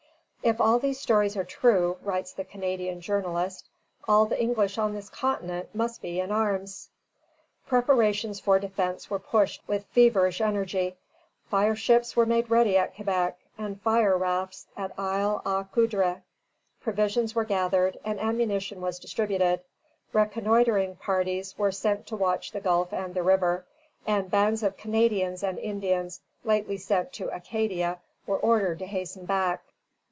"If all these stories are true," writes the Canadian journalist, "all the English on this continent must be in arms." Preparations for defence were pushed with feverish energy. Fireships were made ready at Quebec, and fire rafts at Isle aux Coudres; provisions were gathered, and ammunition was distributed; reconnoitring parties were sent to watch the Gulf and the River; and bands of Canadians and Indians lately sent to Acadia were ordered to hasten back.